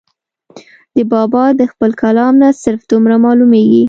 د بابا د خپل کلام نه صرف دومره معلوميږي